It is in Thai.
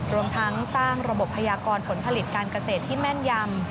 รวมทั้งสร้างระบบพยากรผลผลิตการเกษตรที่แม่นยำ